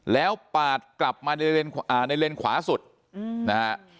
แล้วปาดกลับมาในเลนค์อ่าในเลนค์ขวาสุดอืมนะฮะ